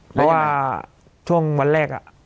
เพราะว่าช่วงวันแรก